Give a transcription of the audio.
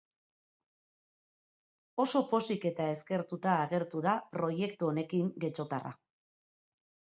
Oso pozik eta eskertuta agertu da proiektu honekin getxotarra.